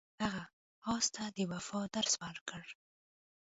هغه اس ته د وفا درس ورکړ.